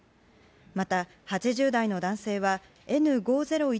また８０代の男性はＮ５０１